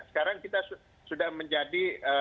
sekarang kita sudah menjadi